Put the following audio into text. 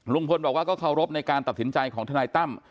ลุงพลบอกว่าก็เคารพในการตัดสินใจของทนายตั้ม